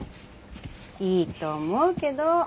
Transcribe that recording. いいと思うけど。